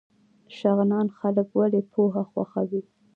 شغنان خلک ولې پوهه خوښوي؟